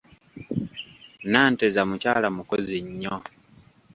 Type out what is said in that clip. Nanteza mukyala mukozi nnyo.